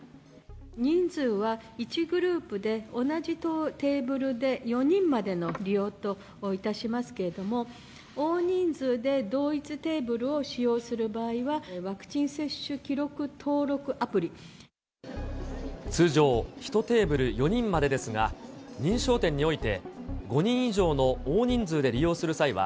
人数は１グループで同じテーブルで４人までの利用といたしますけれども、大人数で同一テーブルを使用する場合は、ワクチン接種記録登録ア通常、１テーブル４人までですが、認証店において、５人以上の大人数で利用する際は、